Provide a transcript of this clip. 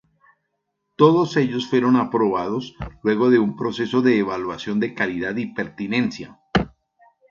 Todos ellos fueron aprobados luego de un proceso de evaluación de calidad y pertinencia.